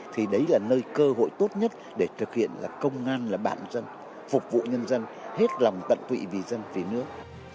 thì đấy là nơi cơ hội tốt nhất để thực hiện là công an là bạn dân phục vụ nhân dân hết lòng tận tụy vì dân vì nước